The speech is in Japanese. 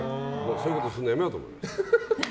そういうことするのはやめようと思いました。